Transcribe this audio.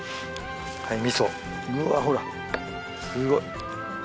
うわほらすごい。